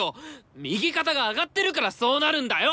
右肩が上がってるからそうなるんだよ！